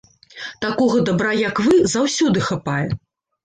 Такога дабра, як вы, заўсёды хапае.